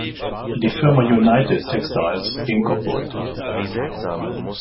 Die Firma United Textiles Inc.